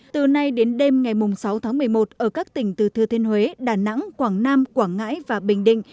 từ nay đến đêm ngày sáu tháng một mươi một ở các tỉnh từ thư thiên huế đà nẵng quảng nam quảng ngãi và bình định